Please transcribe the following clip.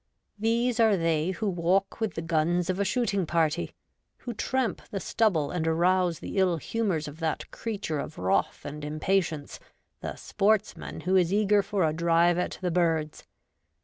These are they who walk with the guns of a shooting party ; who tramp the stubble and arouse the ill humours of that creature of wrath and im patience, the sportsman who is eager for a drive at the birds.